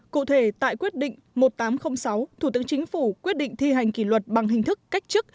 cụ thể tại quyết định một nghìn tám trăm linh sáu thủ tướng chính phủ quyết định thi hành kỷ luật bằng hình thức cách chức